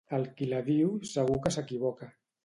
El qui la diu, segur que s'equivoca.